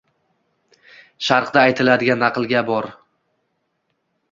Sharqda aytiladigan naqlga bor.